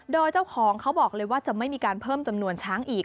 โดยเจ้าของเขาบอกเลยว่าจะไม่มีการเพิ่มจำนวนช้างอีก